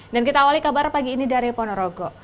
dan kita awali kabar pagi ini dari ponorogo